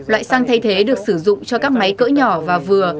loại xăng thay thế được sử dụng cho các máy cỡ nhỏ và vừa